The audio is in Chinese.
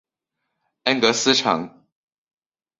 恩格斯城。